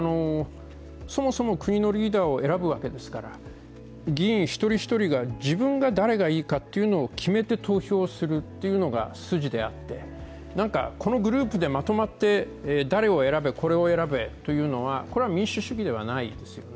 そもそも国のリーダーを選ぶわけですから議員一人一人が自分が誰がいいかを決めて投票するのが筋であってこのグループでまとまって誰を選べ、これを選べというのはこれは民主主義ではないですよね。